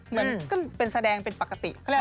เหมือนเป็นแสดงเป็นปกติ